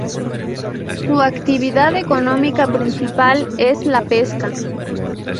Su actividad económica principal es la pesca.